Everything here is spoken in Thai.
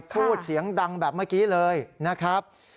พูดเสียงดังแบบเมื่อกี้เลยนะครับ